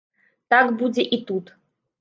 Так будзе і тут.